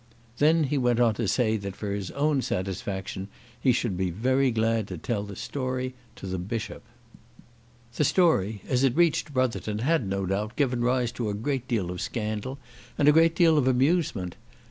Then he went on to say that for his own satisfaction he should be very glad to tell the story to the Bishop. The story as it reached Brotherton had, no doubt, given rise to a great deal of scandal and a great deal of amusement.